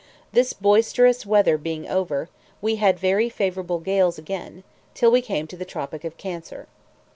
This boisterous weather being over, we had very favourable gales again, till we came to the tropic of Cancer.